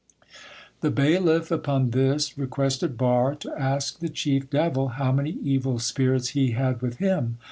The bailiff upon this requested Barre to ask the chief devil how many evil spirits he had with him.